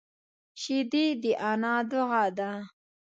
شیدې د انا دعا ده